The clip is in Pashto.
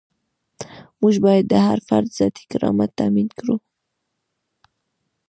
موږ باید د هر فرد ذاتي کرامت تامین کړو.